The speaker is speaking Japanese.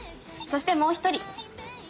そしてもう一人！